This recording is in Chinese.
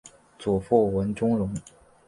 祖父文仲荣。